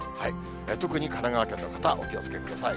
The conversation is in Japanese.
特に神奈川県の方、お気をつけください。